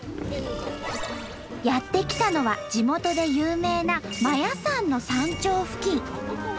やって来たのは地元で有名な摩耶山の山頂付近。